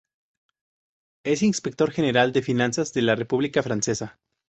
Es Inspector General de Finanzas de la República Francesa.